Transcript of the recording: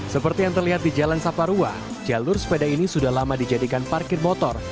seperti yang terlihat di jalan saparua jalur sepeda ini sudah lama dijadikan parkir motor